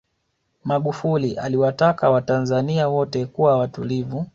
magufuli aliwataka watanzania wote kuwa watulivu